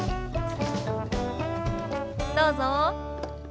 どうぞ。